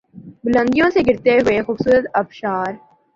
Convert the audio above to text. بلندیوں سے گرتے ہوئے خوبصورت آبشار